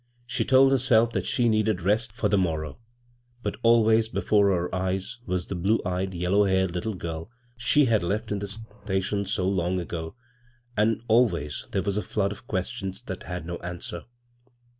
She told herself that she needed rest for the morrow ; but always before her eyes was the blue eyed, yellow haired Uttle girl she had left in the station so long ago, and always there was a flood of questions that had no answer.